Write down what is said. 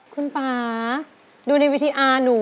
คุณป่าดูในวิทยาหนู